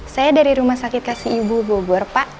saya dari rumah sakit kasih ibu bogor pak